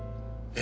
え？